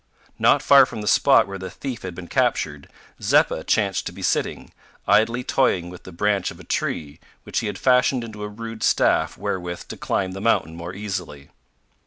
Not far from the spot where the thief had been captured, Zeppa chanced to be sitting, idly toying with the branch of a tree which he had fashioned into a rude staff wherewith to climb the mountain more easily.